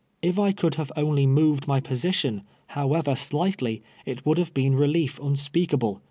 If I could have only moved my position, however slightly, it would have l)een relief unspeakable.